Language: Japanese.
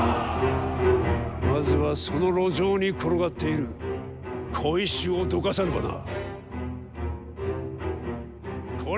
まずはその路上に転がっている小石をどかさねばな。